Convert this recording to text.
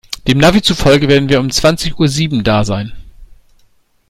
Dem Navi zufolge werden wir um zwanzig Uhr sieben da sein.